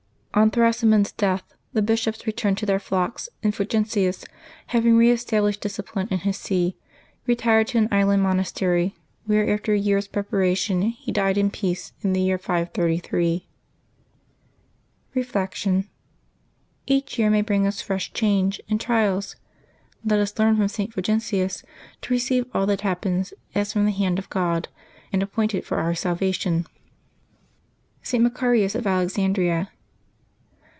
'' On Thrasimiind's death the bishops returned to their flocks, and Fulgentius, having reestablished discipline in his see, retired to an island monastery, where after a year's prepa ration he died in peace in the year 533. Reflection. — Each year may bring us fresh changes and trials; let us learn from St. Fulgentius to receive all that happens as from the hand of God, and appointed for our salvation. ST. MACARIUS OF ALEXANDRIA.